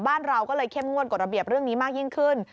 เราก็เลยเข้มงวดกฎระเบียบเรื่องนี้มากยิ่งขึ้น